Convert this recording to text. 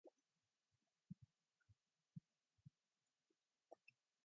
The entire game takes place at an overhead view.